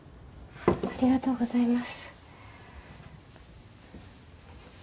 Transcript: ありがとうございます。